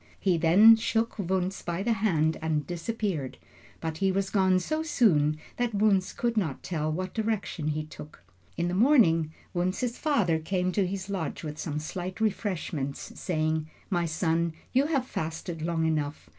He then shook Wunzh by the hand and disappeared, but he was gone so soon that Wunzh could not tell what direction he took. In the morning, Wunzh's father came to his lodge with some slight refreshments, saying: "My son, you have fasted long enough.